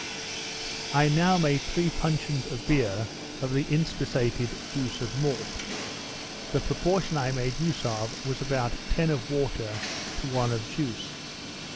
I now made three puncheons of beer of the inspissated juice of malt. The proportion I made use of was about ten of water to one of juice.